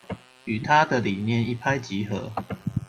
與她的理念一拍即合